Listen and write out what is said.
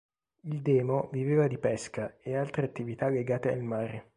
Il demo viveva di pesca e altre attività legate al mare.